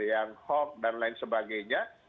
yang hoax dan lain sebagainya